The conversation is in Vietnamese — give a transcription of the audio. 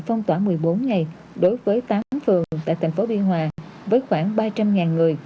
phong tỏa một mươi bốn ngày đối với tám phường tại thành phố biên hòa với khoảng ba trăm linh người